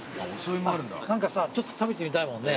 何かさちょっと食べてみたいもんね。